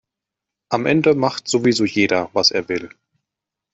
Am Ende macht sowieso jeder, was er will.